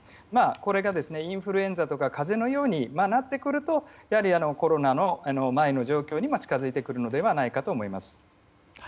これがインフルエンザとか風邪のようになってくるとやはり、コロナ前の状況に近づいてくるのではないかと思います。